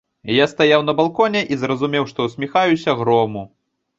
Я стаяў на балконе і зразумеў, што ўсміхаюся грому.